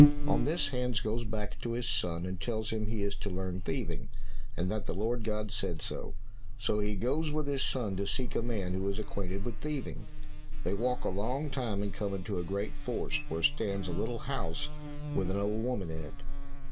On this Hans goes back to his son, and tells him he is to learn thieving, and that the Lord God had said so. So he goes with his son to seek a man who is acquainted with thieving. They walk a long time and come into a great forest, where stands a little house with an old woman in it.